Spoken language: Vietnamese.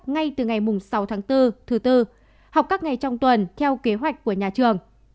ngay từ ngày sáu tháng bốn thứ tư học các ngày trong tuần theo kế hoạch của nhà trường